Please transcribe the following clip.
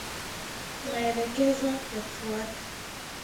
Maelekezo ya kufuata